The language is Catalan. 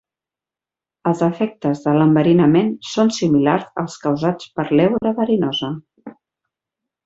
Els efectes de l'enverinament són similars als causats per l'heura verinosa.